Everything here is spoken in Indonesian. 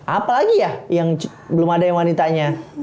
apalagi ya yang belum ada yang wanitanya